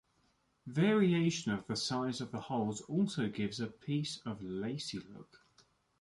Variation of the size of the holes also gives a piece a lacy' look.